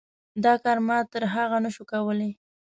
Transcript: دا کار ما تر هغه نه شو کولی.